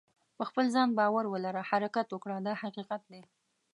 په خپل ځان باور ولره حرکت وکړه دا حقیقت دی.